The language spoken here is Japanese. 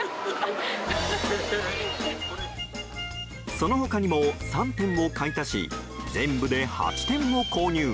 その他にも、３点を買い足し全部で８点を購入。